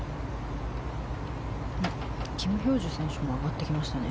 キム・ヒョージュ選手も上がってきましたね。